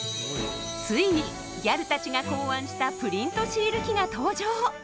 ついにギャルたちが考案したプリントシール機が登場！